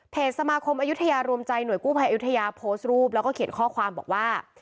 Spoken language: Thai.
สมาคมอายุทยารวมใจหน่วยกู้ภัยอยุธยาโพสต์รูปแล้วก็เขียนข้อความบอกว่า